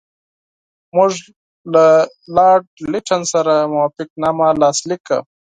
موږ له لارډ لیټن سره موافقتنامه لاسلیک کړه.